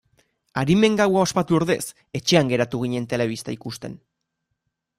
Arimen gaua ospatu ordez etxean geratu ginen telebista ikusten.